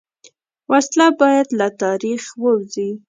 وسله باید له تاریخ ووځي